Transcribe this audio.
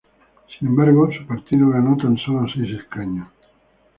Sin embargo, su partido ganó tan solo seis escaños.